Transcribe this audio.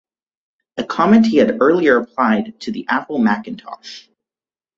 A comment he had earlier applied to the Apple Macintosh.